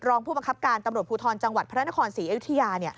รองผู้บังคับการตำรวจภูทรจังหวัดพระนครศรีอยุธยา